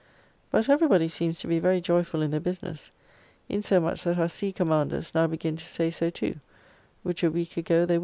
But every body seems to be very joyfull in the business, insomuch that our sea commanders now begin to say so too, which a week ago they would not do.